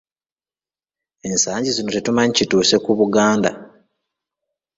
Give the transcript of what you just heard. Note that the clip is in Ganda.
Ensangi zino tetumanyi kituuse ku Buganda.